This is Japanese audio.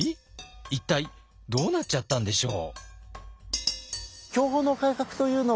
一体どうなっちゃったんでしょう？